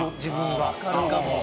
あ分かるかも。